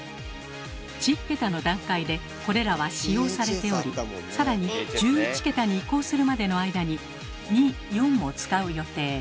１０桁の段階でこれらは使用されており更に１１桁に移行するまでの間に２・４も使う予定。